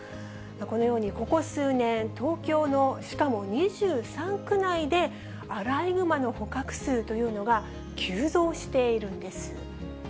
このようにここ数年、東京のしかも２３区内で、アライグマの捕獲数というのが、急増しているんです。